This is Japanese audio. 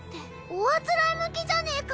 おあつらえ向きじゃねぇか。